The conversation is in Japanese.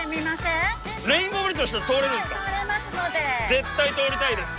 絶対通りたいです！